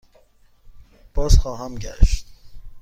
بازخواهم گشت.